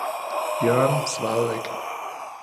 Jørgen svarede ikke.